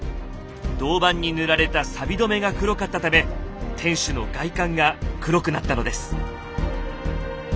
銅板に塗られたさび止めが黒かったため天守の外観が黒くなったのです。